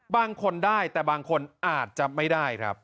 บางคนได้แต่บางคนอาจจะไม่ได้ครับ